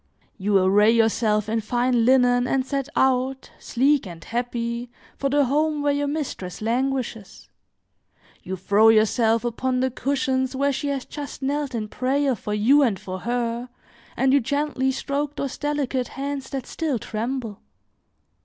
You array yourself in fine linen and set out, sleek and happy, for the home where your mistress languishes; you throw yourself upon the cushions where she has just knelt in prayer, for you and for her, and you gently stroke those delicate hands that still tremble.